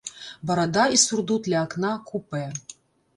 Барада і сурдут ля акна купе.